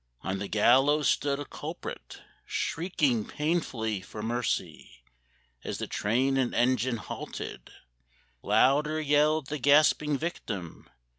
On the gallows stood a culprit Shrieking painfully for mercy. As the train and engine halted, Louder yelled the gasping victim.